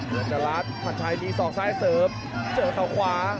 เตือนจราชพันชายนี้สอกซ้ายเสริมเจอข้าวขวา